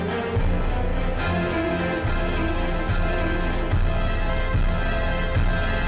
sampai jumpa lagi